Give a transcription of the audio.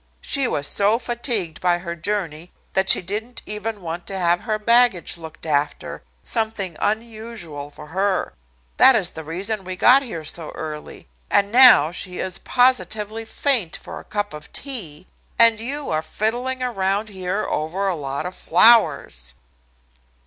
She was so fatigued by her journey that she didn't even want to have her baggage looked after, something unusual for her. That is the reason we got here so early. And now she is positively faint for a cup of tea, and you are fiddling around here over a lot of flowers."